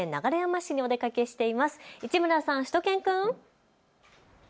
市村さん、しゅと犬くん。